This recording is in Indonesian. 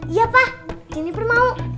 iya pak juniper mau